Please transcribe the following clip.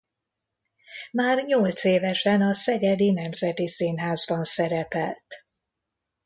Már nyolcévesen a Szegedi Nemzeti Színházban szerepelt.